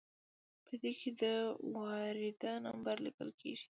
په دې کې د وارده نمبر لیکل کیږي.